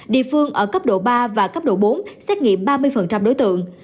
địa phương ở cấp độ ba và cấp độ bốn xét nghiệm ba mươi đối tượng